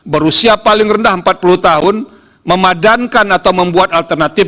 berusia paling rendah empat puluh tahun memadankan atau membuat alternatif